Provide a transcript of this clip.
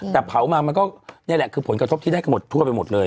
แต่เผามามันก็นี่แหละคือผลกระทบที่ได้กันหมดทั่วไปหมดเลย